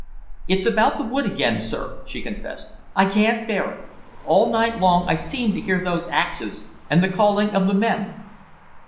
"It's about the wood again, sir," she confessed. "I can't bear it. All night long I seem to hear those axes, and the calling of the men."